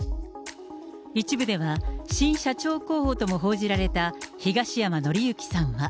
一部では、新社長候補とも報じられた東山紀之さんは。